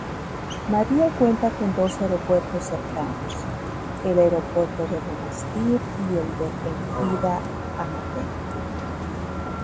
Mahdía cuenta con dos aeropuertos cercanos, el aeropuerto de Monastir y el de Enfidha-Hammamet.